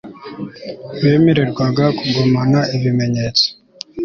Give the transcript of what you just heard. bemererwaga kugumana ibimenyetso